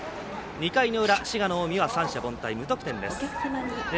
２回の裏、滋賀の近江は三者凡退無得点です。